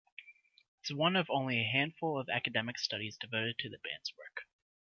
Its one of "only a handful of academic studies" devoted to the band's work.